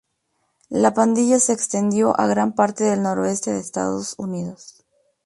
La pandilla se extendió a gran parte del noreste de Estados Unidos.